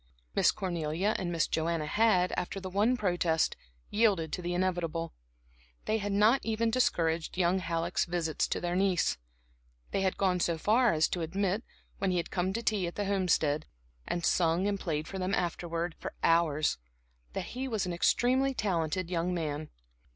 Miss Cornelia and Miss Joanna had, after the one protest, yielded to the inevitable; they had not even discouraged young Halleck's visits to their niece. They had gone so far as to admit, when he had come to tea at the Homestead, and sung and played for them afterwards for hours, that he was an extremely talented young man.